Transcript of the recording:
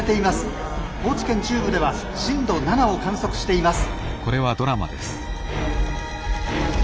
高知県中部では震度７を観測しています」。